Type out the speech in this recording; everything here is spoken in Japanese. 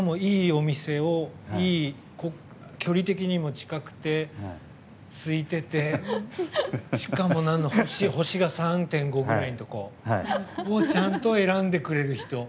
お店を距離的にも近くて、すいててしかも星が３．５ぐらいのところをちゃんと選んでくれる人。